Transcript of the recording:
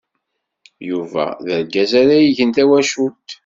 Yuba d argaz ara igen tawacult.